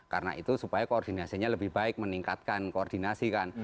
karena itu supaya koordinasinya lebih baik meningkatkan koordinasi kan